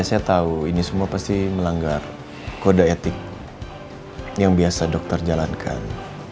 saya tahu ini semua pasti melanggar kode etik yang biasa dokter jalankan